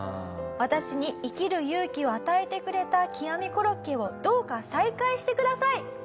私に生きる勇気を与えてくれた極みコロッケをどうか再開してください。